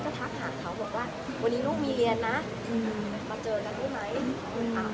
ทักหาเขาบอกว่าวันนี้ลูกมีเรียนนะมาเจอกันได้ไหม